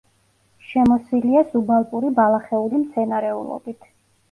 შემოსილია სუბალპური ბალახეული მცენარეულობით.